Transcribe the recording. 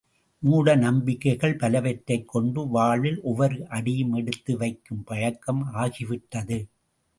மூட நம்பிக்கைகள் பலவற்றையும் கொண்டு வாழ்வில் ஒவ்வொரு அடியும் எடுத்து வைக்கும் பழக்கம் ஆகிவிட்டது.